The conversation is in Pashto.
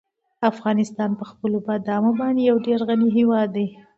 افغانستان په خپلو بادامو باندې یو ډېر غني هېواد دی.